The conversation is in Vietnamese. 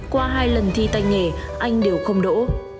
qua hai lần thi tay nghề anh đều không đỗ